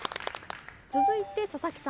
続いて佐々木さん。